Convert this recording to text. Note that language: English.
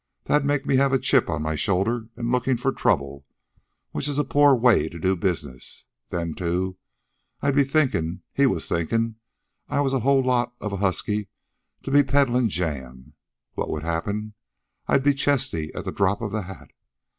That'd make me have a chip on my shoulder an' lookin' for trouble, which is a poor way to do business. Then, too, I'd be thinkin' he was thinkin' I was a whole lot of a husky to be peddlin' jam. What'd happen, I'd be chesty at the drop of the hat.